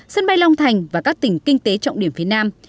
sân bay long thành và các tỉnh kinh tế trọng điểm phía nam